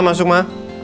ma masuk ma